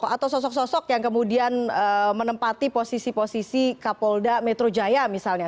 atau sosok sosok yang kemudian menempati posisi posisi kapolda metro jaya misalnya